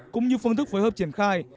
cũng như phương thức phối hợp triển khai